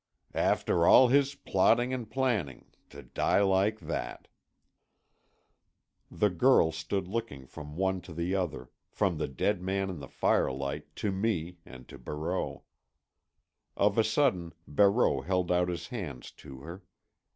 "After all his plotting and planning—to die like that." The girl stood looking from one to the other, from the dead man in the firelight to me, and to Barreau. Of a sudden Barreau held out his hands to her.